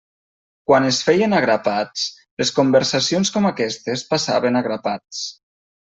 Quan es feien a grapats, les conversacions com aquestes passaven a grapats.